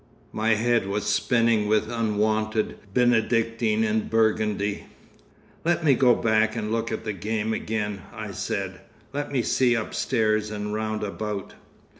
My head was spinning with unwonted Benedictine and Burgundy. "Let me go back and look at the game again," I said. "Let me see upstairs and round about."